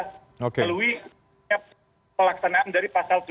selain pelaksanaan dari pasal tujuh puluh tujuh